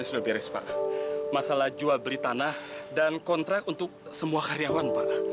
ya pak jelaskan akan